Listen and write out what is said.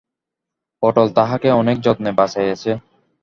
পটল তাহাকে অনেক যত্নে বাঁচাইয়াছে।